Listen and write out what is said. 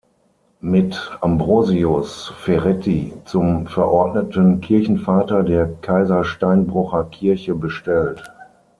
Mit Ambrosius Ferrethi zum verordneten Kirchenvater der Kaisersteinbrucher Kirche bestellt.